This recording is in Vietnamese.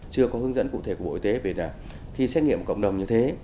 chưa có hướng dẫn cụ thể của bộ y tế về khi xét nghiệm cộng đồng như thế